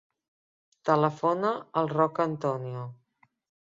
Telefona al Roc Antonio.